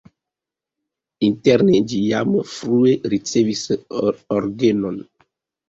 Interne ĝi jam frue ricevis orgenon.